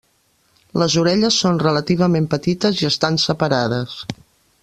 Les orelles són relativament petites i estan separades.